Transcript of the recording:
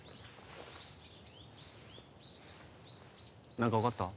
何か分かった？